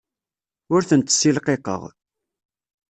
Ur tent-ssilqiqeɣ.